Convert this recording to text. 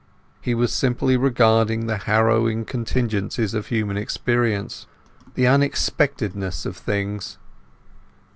He was simply regarding the harrowing contingencies of human experience, the unexpectedness of things.